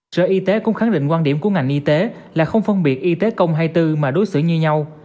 sở y tế cũng khẳng định quan điểm của ngành y tế là không phân biệt y tế công hay tư mà đối xử như nhau